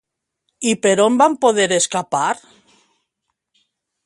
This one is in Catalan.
I per on van poder escapar?